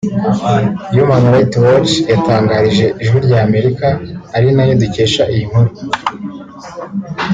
Human Rights Watch yatangarije ijwi ry’Amerika ari nayo dukesha iyi nkuru